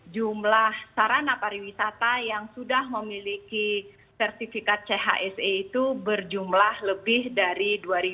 jumlah sarana pariwisata yang sudah memiliki sertifikat chse itu berjumlah lebih dari dua ratus